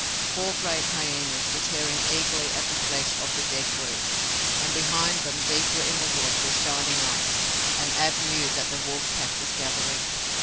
Four great hyenas were tearing eagerly at the flesh of the dead brute, and behind them, deeper in the wood, were shining eyes, and Ab knew that the wolf pack was gathering.